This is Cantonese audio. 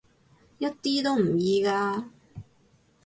一啲都唔易㗎